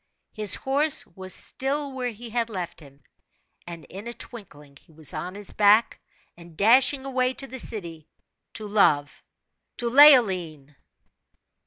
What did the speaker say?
His horse was still where he had left him, and in a twinkling he was on his back, and dashing away to the city, to love to Leoline!